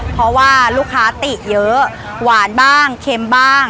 เพราะว่าลูกค้าติเยอะหวานบ้างเค็มบ้าง